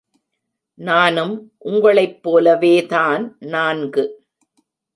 நானும் உங்களைப்போலவேதான் நான்கு.